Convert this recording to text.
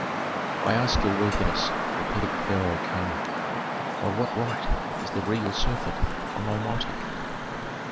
"I ask your worthiness," repeated the pharaoh, calmly, "by what right is the regal serpent on thy mitre?"